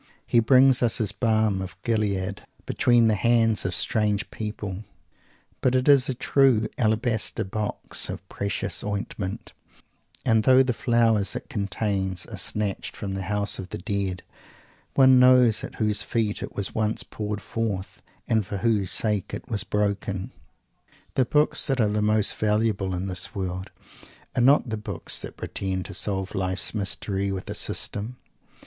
He brings us his "Balm of Gilead" between the hands of strange people, but it is a true "alabaster box of precious ointment," and though the flowers it contains are snatched from the House of the Dead, one knows at whose feet it was once poured forth, and for whose sake it was broken! The books that are the most valuable in this world are not the books that pretend to solve life's mystery with a system.